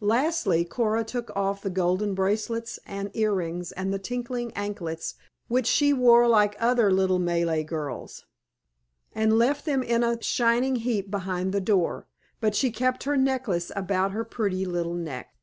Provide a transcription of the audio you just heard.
Lastly Coora took off the golden bracelets and earrings and the tinkling anklets which she wore like other little Malay girls, and left them in a shining heap behind the door. But she kept her necklace about her pretty little neck.